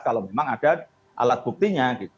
kalau memang ada alat buktinya